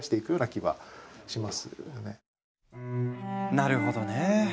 なるほどね。